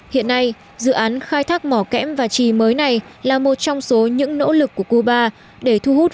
hiện nay dự án khai thác mỏ kẽm và trì mới này là một trong số những nỗ lực của cuba để thu hút